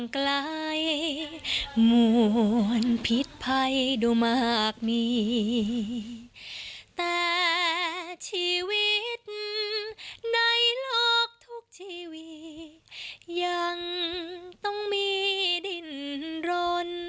ชีวิตยังต้องมีดินรน